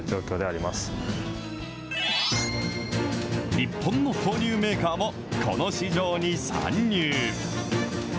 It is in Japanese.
日本の豆乳メーカーも、この市場に参入。